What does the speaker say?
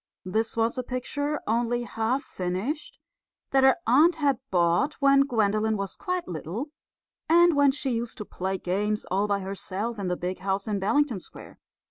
This was a picture, only half finished, that her aunt had bought when Gwendolen was quite little and when she used to play games all by herself in the big house in Bellington Square.